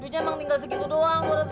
cucunya emang tinggal segitu doang